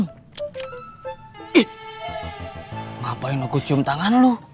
ngapain aku cium tangan lu